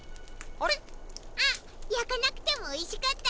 あっやかなくてもおいしかったよ。